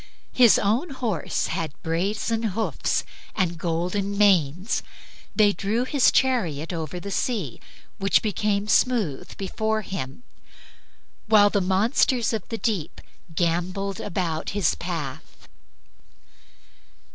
His own horses had brazen hoofs and golden manes. They drew his chariot over the sea, which became smooth before him, while the monsters of the deep gambolled about his path.